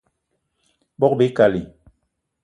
Bogb-ikali